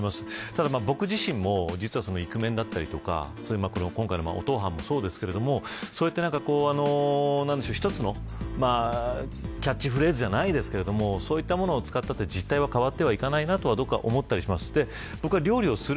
ただ、僕自身も実はいイクメンだったりとか今回のおとう飯もそうですけどそうやって一つのキャッチフレーズじゃないですけどそういったものを使ったって事態は変わっていかないなというのは思ったりします。